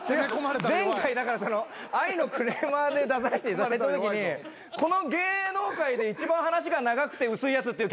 前回だから愛のクレーマーで出させていただいたときにこの芸能界で一番話が長くて薄いやつっていうキャラクター。